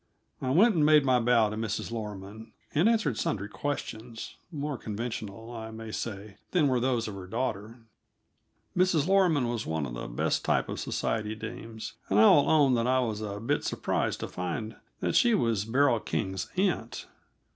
I went and made my bow to Mrs. Loroman, and answered sundry questions more conventional, I may say, than were those of her daughter. Mrs. Loroman was one of the best type of society dames, and I will own that I was a bit surprised to find that she was Beryl King's aunt.